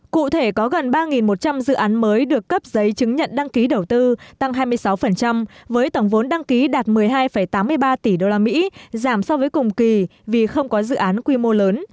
cụ thể có gần ba một trăm linh dự án mới được cấp giấy chứng nhận đăng ký đầu tư tăng hai mươi sáu với tổng vốn đăng ký đạt một mươi hai tám mươi ba tỷ usd giảm so với cùng kỳ vì không có dự án quy mô lớn